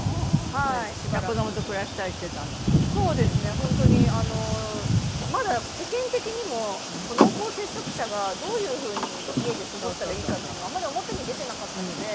本当にまだ世間的にも濃厚接触者がどういうふうに家で過ごしたらいいかっていうのがあんまり表に出てなかったので。